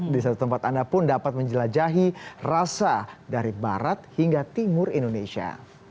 di satu tempat anda pun dapat menjelajahi rasa dari barat hingga timur indonesia